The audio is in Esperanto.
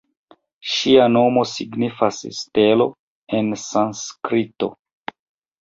Ŝia nomo signifas ""Stelo"" en sanskrito.